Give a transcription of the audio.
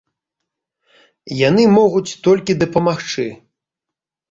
Яны могуць толькі дапамагчы.